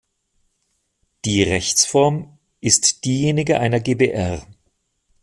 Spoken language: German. Die Rechtsform ist diejenige einer GbR.